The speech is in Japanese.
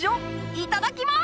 いただきます。